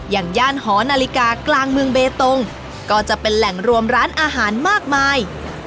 อย่างย่านหอนาฬิกากลางเมืองเบตงก็จะเป็นแหล่งรวมร้านอาหารมากมาย